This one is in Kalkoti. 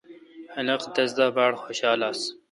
خلق تس دا باڑ خوشال آس۔